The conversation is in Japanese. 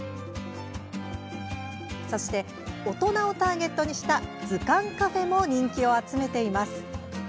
そして、大人をターゲットにした図鑑カフェも人気を集めています。